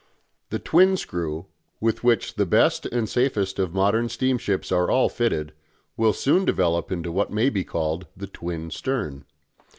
The twin screw, with which the best and safest of modern steam ships are all fitted, will soon develop into what may be called "the twin stern".